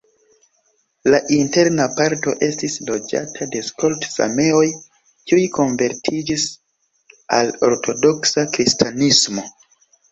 La interna parto estis loĝata de skolt-sameoj, kiuj konvertiĝis al ortodoksa kristanismo.